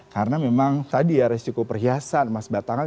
karena memang tadi ya resiko perhiasan emas batangan